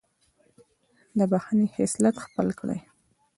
د بښنې خصلت خپل کړئ.